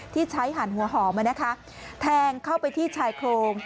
ที่ใช้หั่นหัวหอมแทงเข้าไปที่ชายโครง